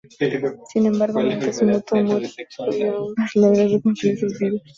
Sin embargo, mediante su mutuo amor y apoyo ambos logran reconstruir sus vidas.